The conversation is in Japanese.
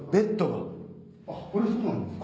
あっこれそうなんですか？